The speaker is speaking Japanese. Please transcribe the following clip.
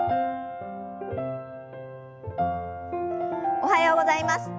おはようございます。